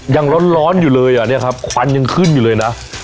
ยังร้อนอยู่เลยอ่ะเนี่ยครับควันยังขึ้นอยู่เลยนะ